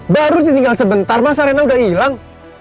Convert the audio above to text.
baru tinggal sebentar masa rena udah hilang